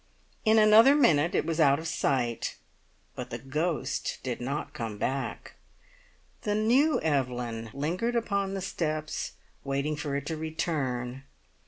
In another minute it was out of sight, but the ghost did not come back. The new Evelyn lingered upon the steps, waiting for it to return.